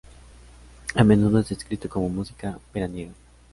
A menudo es descrito como "música veraniega".